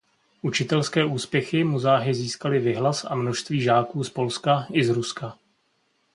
Učitelské úspěchy mu záhy získaly věhlas a množství žáků z Polska i z Ruska.